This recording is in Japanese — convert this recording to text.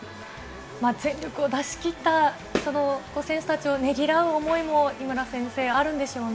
全力を出し切った選手たちをねぎらう思いも井村先生、あるんでしょうね。